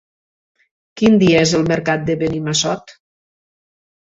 Quin dia és el mercat de Benimassot?